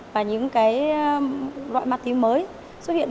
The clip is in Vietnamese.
và những cái loại ma túy mới xuất hiện